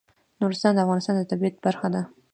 نورستان د افغانستان د طبیعت برخه ده.